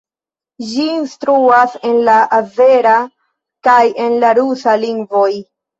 Ĝi instruas en la azera kaj en la rusa lingvoj.